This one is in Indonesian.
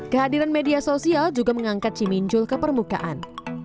kehadiran media sosial juga mengangkat cimincul ke permukaan